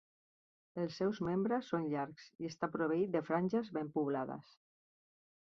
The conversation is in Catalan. Els seus membres són llargs i està proveït de franges ben poblades.